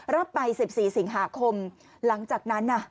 รับไป๑๔สิงหาคมหลังจากนั้นน่ะ